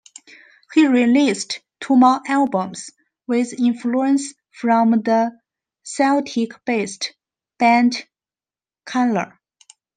He released two more albums, with influence from the Celtic-based band Cunla.